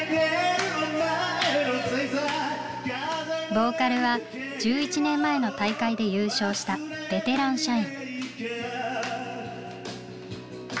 ボーカルは１１年前の大会で優勝したベテラン社員。